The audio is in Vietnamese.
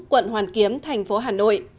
quận hoàn kiếm thành phố hà nội